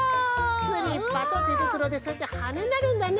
スリッパとてぶくろでそうやってはねになるんだね。